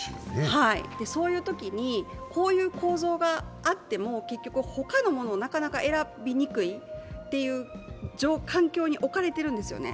そういうときに、こういう構造があっても結局、他のものをなかなか選びにくいっていう環境に置かれているんですよね。